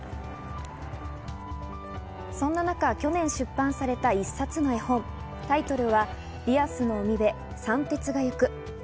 そんな中、去年出版された１冊の絵本、タイトルは『リアスのうみべさんてつがゆく』。